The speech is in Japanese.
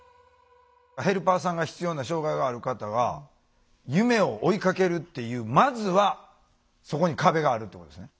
ヘルパーさんが必要な障害がある方が夢を追いかけるっていうまずはそこに壁があるってことですね。